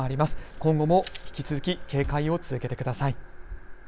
今後も引き続き警戒を続けてください。